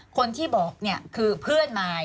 คนที่บอกเนี่ยคือเพื่อนมาย